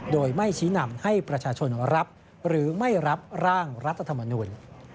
โดยไม่ชี้นำให้ประชาชนรับหรือไม่รับร่างรัฐธรรมนูล